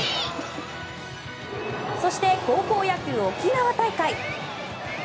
そして、高校野球沖縄大会。